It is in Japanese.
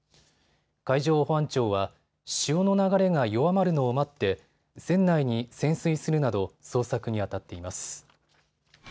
海上保安庁は潮の流れが弱まるのを待って船内に潜水するなど捜索にあたっています。